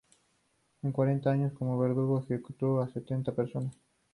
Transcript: En cuarenta años como verdugo, ejecutó a sesenta personas.